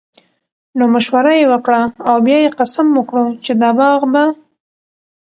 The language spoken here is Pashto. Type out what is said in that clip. نو مشوره ئي وکړه، او بيا ئي قسم وکړو چې دا باغ به